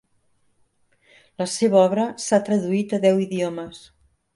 La seva obra s'ha traduït a deu idiomes.